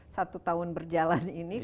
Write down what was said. satu tahun berjalan ini